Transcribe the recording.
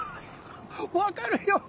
分かるよ。